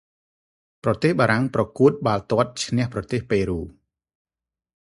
ប្រទេសបារាំងប្រកួតបាលទាត់ ឈ្នះប្រទេសប៉េរូ។